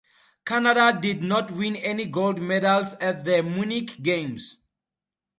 Canada did not win any gold medals at the Munich games.